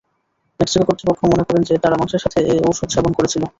Mexico কর্তৃপক্ষ মনে করেন যে, তারা মাংসের সাথে এ ঔষধ সেবন করেছিল।